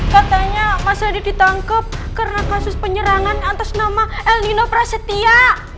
katanya mas adit ditangkap karena kasus penyerangan atas nama el nino prasetya